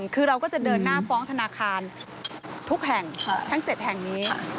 คือเราก็จะเดินหน้าฟ้องธนาคารทุกแห่งทั้ง๗แห่งนี้